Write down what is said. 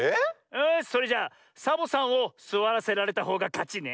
よしそれじゃサボさんをすわらせられたほうがかちね。